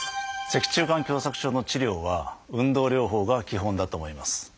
脊柱管狭窄症の治療は運動療法が基本だと思います。